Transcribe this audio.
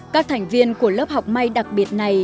các thành viên của lớp học may đặc biệt này